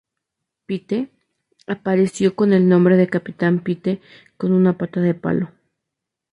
Pete apareció con el nombre de Capitán Pete con una pata de palo.